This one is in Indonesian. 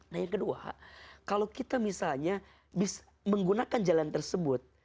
nah yang kedua kalau kita misalnya menggunakan jalan tersebut